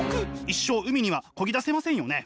一生海にはこぎ出せませんよね。